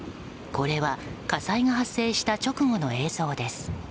これは火災が発生した直後の映像です。